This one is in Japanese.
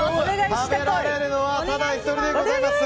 食べられるのはただ１人でございます。